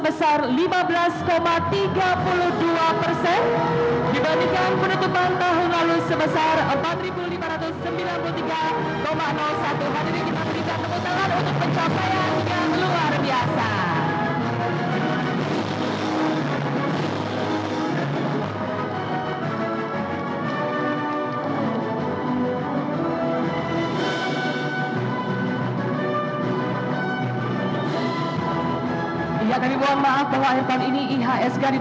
berkira perdagangan bursa efek indonesia